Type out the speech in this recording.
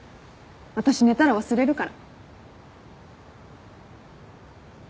私寝たら忘れるから。